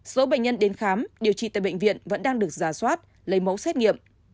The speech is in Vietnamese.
số bệnh nhân đến khám điều trị tại bệnh viện vẫn đang được giả soát lấy mẫu xét nghiệm